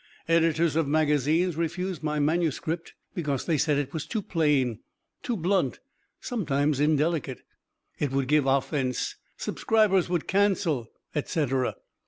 Editors of magazines refused my manuscript because they said it was too plain, too blunt, sometimes indelicate it would give offense, subscribers would cancel, et cetera.